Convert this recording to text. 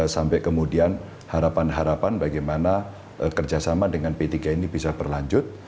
sampai kemudian harapan harapan bagaimana kerjasama dengan p tiga ini bisa berlanjut